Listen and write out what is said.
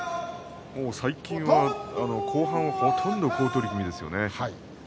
最近は後半はほとんど好取組ですよね。